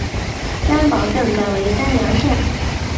三堡镇改为丹阳县。